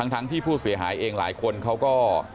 ทั้งที่ผู้เสียหายเองหลายคนเขาก็